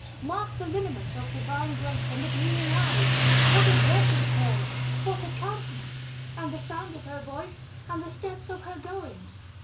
Mark the lineaments of divine grace and the gleaming eyes, what a breath is hers, what a countenance, and the sound of her voice and the steps of her going.